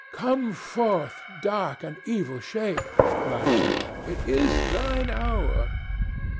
"Come forth, dark and evil shape!" cried she. "It is thine hour."